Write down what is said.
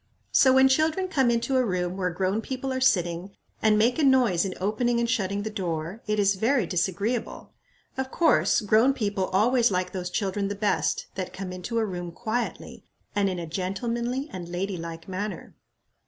So, when children come into a room where grown people are sitting, and make a noise in opening and shutting the door, it is very disagreeable. Of course, grown people always like those children the best that come into a room quietly, and in a gentlemanly and lady like manner."